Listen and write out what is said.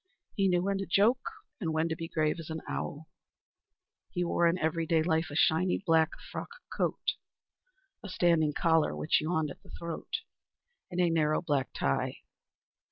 He knew when to joke and when to be grave as an owl. He wore in every day life a shiny, black frock coat, a standing collar, which yawned at the throat, and a narrow, black tie.